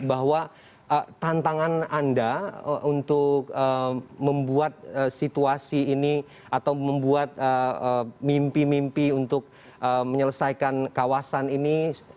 bahwa tantangan anda untuk membuat situasi ini atau membuat mimpi mimpi untuk menyelesaikan kawasan ini